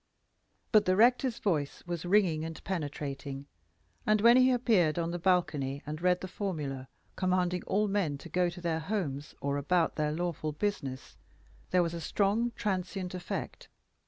But the rector's voice was ringing and penetrating, and when he appeared on the narrow balcony and read the formula, commanding all men to go to their homes or about their lawful business, there was a strong transient effect.